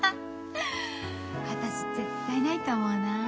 私絶対ないと思うな。